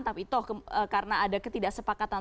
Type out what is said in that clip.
tapi toh karena ada ketidaksepakatan